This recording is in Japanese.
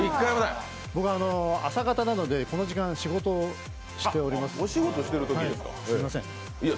僕、朝型なのでこの時間、仕事をしております。